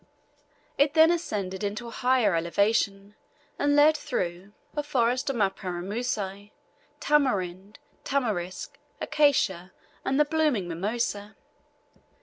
It then ascended into a higher elevation, and led through a forest of mparamusi, tamarind, tamarisk, acacia, and the blooming mimosa.